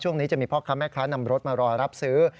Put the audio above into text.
ช่วงนี้จะมีพ่อค้าแม่ค้านำรถมารอรับซื้อ